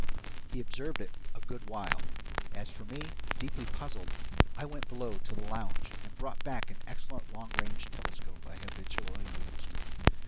He observed it a good while. As for me, deeply puzzled, I went below to the lounge and brought back an excellent long range telescope I habitually used.